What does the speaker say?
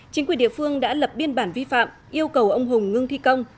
chính quyền địa phương đã lập biên bản vi phạm yêu cầu ông hùng ngưng thi công